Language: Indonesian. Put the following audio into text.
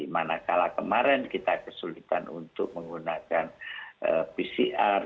manakala kemarin kita kesulitan untuk menggunakan pcr